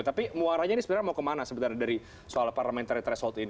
tapi muaranya ini sebenarnya mau kemana sebenarnya dari soal parliamentary threshold ini